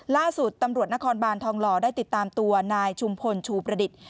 ล่าสุดตำรวจนครบานทองหล่อได้ติดตามตัวนายชุมพลชูประดิษฐ์